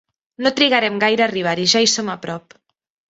No trigarem gaire a arribar-hi: ja hi som a prop.